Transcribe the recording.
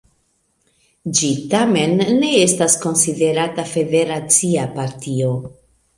Ĝi tamen ne estas konsiderata federacia partio.